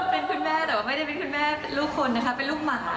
เป็นคุณแม่แต่ว่าไม่ได้เป็นคุณแม่เป็นลูกคนนะคะเป็นลูกหมา